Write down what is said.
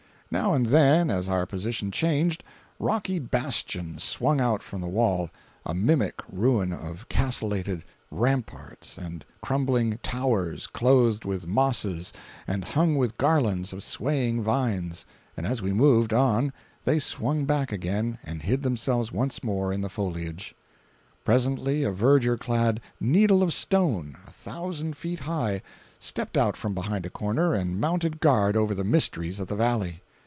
Now and then, as our position changed, rocky bastions swung out from the wall, a mimic ruin of castellated ramparts and crumbling towers clothed with mosses and hung with garlands of swaying vines, and as we moved on they swung back again and hid themselves once more in the foliage. Presently a verdure clad needle of stone, a thousand feet high, stepped out from behind a corner, and mounted guard over the mysteries of the valley.